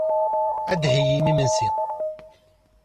Ad d-theyyim imensi.